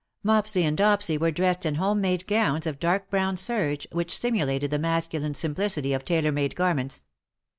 Mopsy and Dopsy were dressed in home made gowns of dark brown serge which simulated the masculine simplicity of tailor made garments.